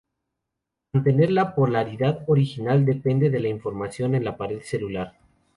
Mantener la polaridad original depende de información en la pared celular.